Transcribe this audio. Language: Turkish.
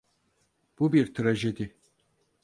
Bu bir trajedi.